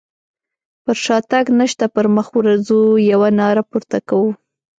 پر شاتګ نشته پر مخ ورځو يوه ناره پورته کوو.